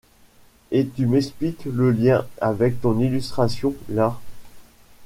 Et tu m’expliques le lien avec ton illustration, là ?